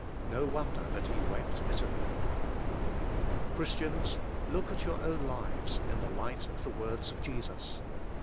No wonder that he wept bitterl3^ Christians, look at your own lives in the light of the words of Jesus.